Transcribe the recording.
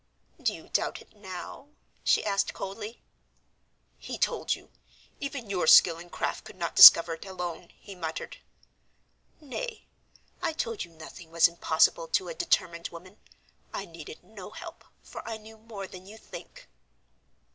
"Do you doubt it now?" she asked coldly. "He told you! Even your skill and craft could not discover it alone," he muttered. "Nay, I told you nothing was impossible to a determined woman. I needed no help, for I knew more than you think."